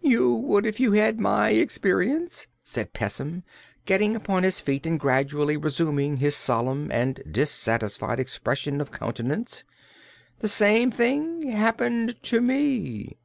"You would if you'd had my experience," said Pessim, getting upon his feet and gradually resuming his solemn and dissatisfied expression of countenance. "The same thing happened to me."